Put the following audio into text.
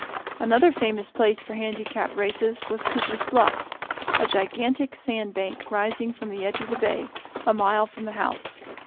Another famous place for handicap races was Cooper's Bluff, a gigantic sand bank rising from the edge of the bay, a mile from the house.